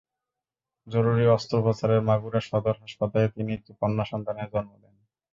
জরুরি অস্ত্রোপচারের মাগুরা সদর হাসপাতালে তিনি একটি কন্যা সন্তানের জন্ম দেন।